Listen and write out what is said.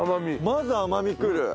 まず甘みくる。